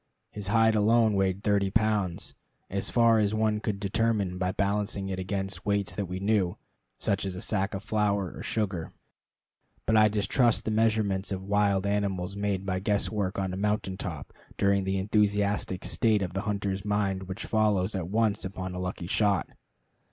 His hide alone weighed thirty pounds, as far as one could determine by balancing it against weights that we knew, such as a sack of flour or sugar. But I distrust the measurements of wild animals made by guesswork on a mountain top during the enthusiastic state of the hunter's mind which follows at once upon a lucky shot.